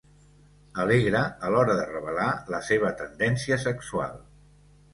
Alegre a l'hora de revelar la seva tendència sexual.